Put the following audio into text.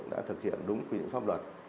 đã thực hiện đúng quy định pháp luật